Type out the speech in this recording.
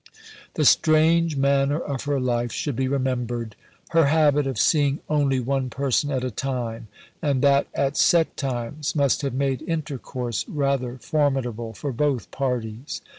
The strange manner of her life should be remembered. Her habit of seeing only one person at a time, and that at set times, must have made intercourse rather formidable for both parties.